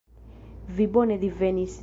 Vi bone divenis.